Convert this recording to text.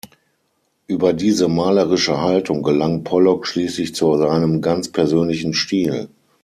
Über diese malerische Haltung gelang Pollock schließlich zu seinem ganz persönlichen Stil.